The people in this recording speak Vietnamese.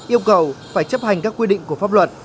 yêu cầu phải chấp hành các quy định của pháp luật